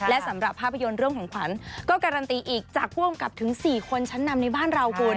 และสำหรับภาพยนตร์เรื่องของขวัญก็การันตีอีกจากผู้กำกับถึง๔คนชั้นนำในบ้านเราคุณ